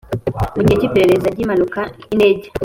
Mu gihe cy iperereza ry impanuka y indege